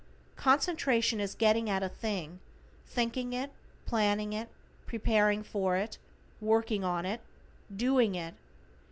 Concentration is getting at a thing, thinking it, planning it, preparing for it, working on it, DOING IT.